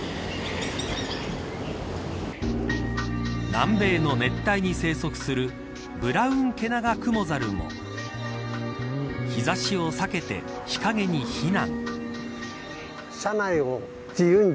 南米の熱帯に生息するブラウンケナガクモザルも日差しを避けて日陰に避難。